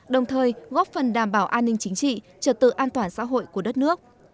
đồng thời góp phần đảm bảo an ninh chính trị trật tự an toàn xã hội của đất nước